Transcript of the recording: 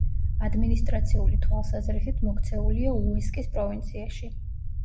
ადმინისტრაციული თვალსაზრისით მოქცეულია უესკის პროვინციაში.